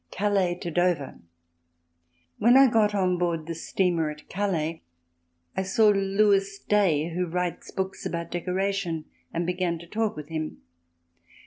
Calais to Dover When I got on board the steamer at Calais I saw Lewis Day, who writes books about decoration, and began to talk with him.